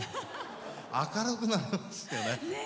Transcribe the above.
明るくなりますよね。